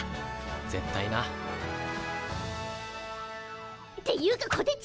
絶対な。っていうかこてち！